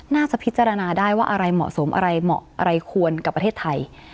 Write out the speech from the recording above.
น่าจะพิจารณาได้ว่าอะไรเหมาะสมอะไรเหมาะอะไรควรกับประเทศไทย